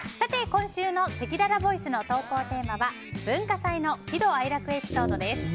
今週のせきららボイスの投稿テーマは文化祭の喜怒哀楽エピソードです。